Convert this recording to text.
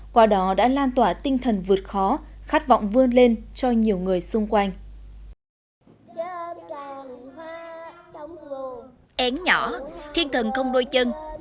qua đó đã lan tỏa tinh thần vượt khó khát vọng vươn lên cho nhiều người xung quanh